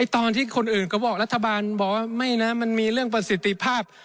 ตอนที่คนอื่นก็บอกรัฐบาลบอกว่าไม่นะมันมีเรื่องประสิทธิภาพ